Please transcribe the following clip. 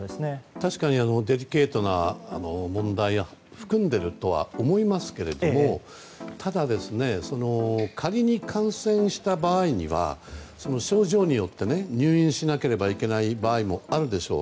確かにデリケートな問題は含んでいるとは思いますけどただ、仮に感染した場合には症状によって入院しなければいけない場合もあるでしょう。